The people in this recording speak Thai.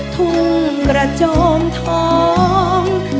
ทุ่งกระโจมท้อง